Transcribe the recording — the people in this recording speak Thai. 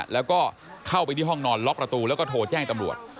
แล้วก็เข้าไปที่ห้องนอนล็อกประตูแล้วก็โทรแจ้งตำรวจ